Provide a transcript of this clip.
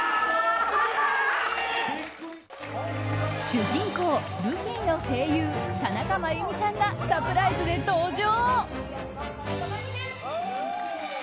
主人公ルフィの声優田中真弓さんがサプライズで登場。